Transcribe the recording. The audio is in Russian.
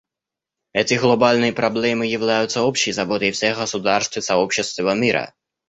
Эти глобальные проблемы являются общей заботой всех государств и сообществ всего мира.